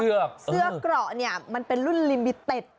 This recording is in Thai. เสื้อเกราะเนี่ยมันเป็นรุ่นลิมบิเต็ด